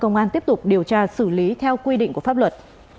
cơ quan công an tiếp tục điều tra xử lý theo quy định của pháp luật